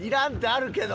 あるけど！